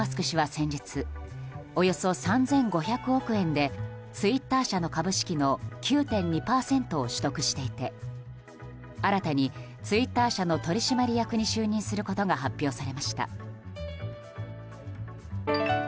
氏は先日およそ３５００億円でツイッター社の株式の９．２％を取得していて新たにツイッター社の取締役に就任することが発表されました。